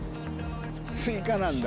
スイカなんだ？